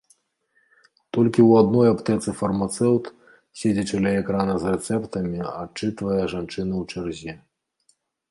Толькі ў адной аптэцы фармацэўт, седзячы ля экрана з рэцэптамі адчытвае жанчыну ў чарзе.